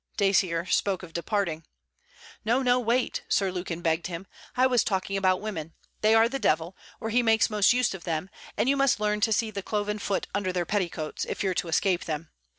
Dacier spoke of departing. 'No, no, wait,' Sir Lukin begged him. 'I was talking about women. They are the devil or he makes most use of them: and you must learn to see the cloven foot under their petticoats, if you're to escape them.